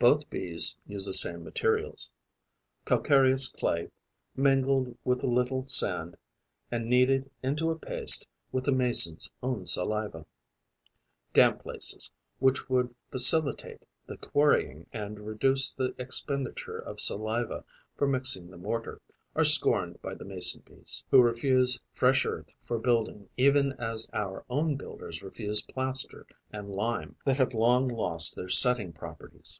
Both Bees use the same materials: calcareous clay, mingled with a little sand and kneaded into a paste with the mason's own saliva. Damp places, which would facilitate the quarrying and reduce the expenditure of saliva for mixing the mortar, are scorned by the Mason bees, who refuse fresh earth for building even as our own builders refuse plaster and lime that have long lost their setting properties.